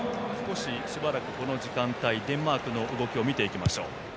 しばらく、この時間帯デンマークの動きを見ていきましょう。